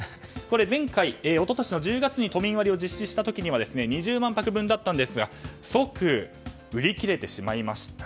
前回、一昨年の１０月に都民割を実施した時には２０万泊分だったんですが即売り切れてしまいました。